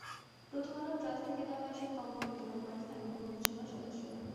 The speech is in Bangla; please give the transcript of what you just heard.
প্রথম আলো ট্রাস্ট থেকে দেওয়া এসব কম্বল বিতরণ করেন স্থানীয় বন্ধুসভার সদস্যরা।